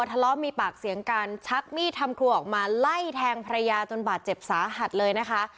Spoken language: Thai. ทะเลาะมีปากเสียงกันชักมีดทำครัวออกมาไล่แทงภรรยาจนบาดเจ็บสาหัสเลยนะคะ